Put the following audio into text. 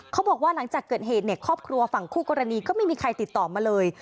เขาบอกว่าหลังจากเกิดเหตุเนี่ยครอบครัวฝั่งคู่กรณีก็ไม่มีใครติดต่อมาเลย